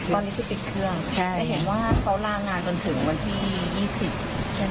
ตอนนี้คือปิดเครื่องแต่เห็นว่าเขารางานก่อนถึงวันที่๒๐ใช่ไหมค่ะ